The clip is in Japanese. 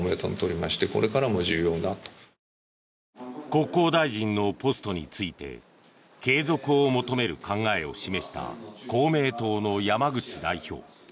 国交大臣のポストについて継続を求める考えを示した公明党の山口代表。